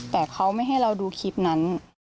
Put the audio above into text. แต่เขาไม่ให้เราดูคลิปนั้น